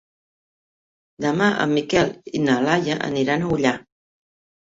Demà en Miquel i na Laia aniran a Ullà.